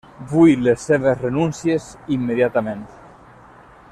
Vull les seves renúncies immediatament.